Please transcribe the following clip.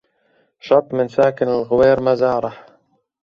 شط من ساكن الغوير مزاره